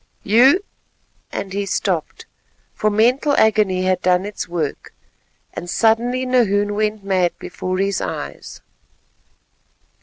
You——" and he stopped, for mental agony had done its work, and suddenly Nahoon went mad before his eyes.